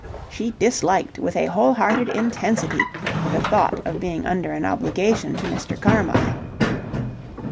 She disliked, with a whole hearted intensity, the thought of being under an obligation to Mr. Carmyle.